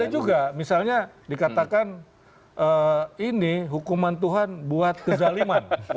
ada juga misalnya dikatakan ini hukuman tuhan buat kezaliman